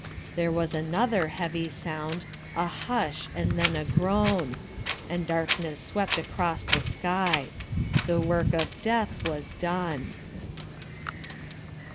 There was another heavy sound,A hush and then a groan; And darkness swept across the sky—The work of death was done!